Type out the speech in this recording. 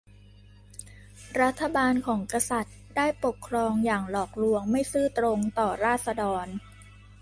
รัฐบาลของกษัตริย์ได้ปกครองอย่างหลอกลวงไม่ซื่อตรงต่อราษฎร